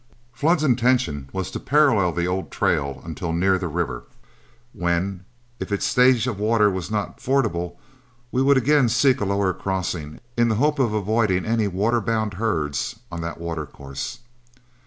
Flood's intention was to parallel the old trail until near the river, when, if its stage of water was not fordable, we would again seek a lower crossing in the hope of avoiding any waterbound herds on that watercourse.